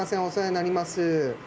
お世話になります。